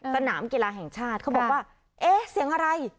สนามกีฬาแห่งชาติเขาบอกว่าเอ๊ะเสียงอะไร